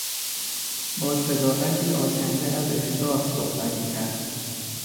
با صداقتی آکنده از احساس صحبت میکرد.